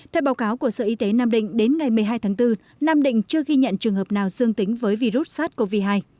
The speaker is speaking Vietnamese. theo báo cáo của sở y tế nam định đến ngày một mươi hai tháng bốn nam định chưa ghi nhận trường hợp nào dương tính với virus sars cov hai